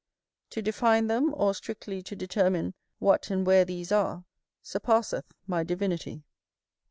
To define them, or strictly to determine what and where these are, surpasseth my divinity.